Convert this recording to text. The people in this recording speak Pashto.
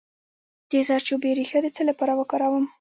د زردچوبې ریښه د څه لپاره وکاروم؟